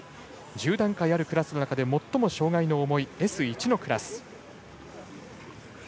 １０段階あるクラスの中で最も障がいの重いＳ１のクラス。